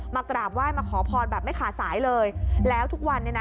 กราบไหว้มาขอพรแบบไม่ขาดสายเลยแล้วทุกวันเนี่ยนะ